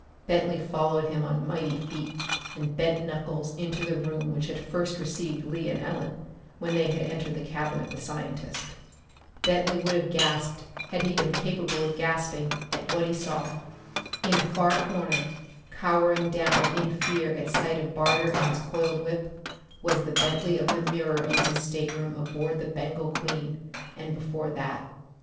Bentley followed him on mighty feet and bent knuckles into the room which had first received Lee and Ellen when they had entered the cabin of the scientist. Bentley would have gasped had he been capable of gasping at what he saw. In a far corner, cowering down in fear at sight of Barter and his coiled whip was the Bentley of the mirror in his stateroom aboard the Bengal Queen, and before that.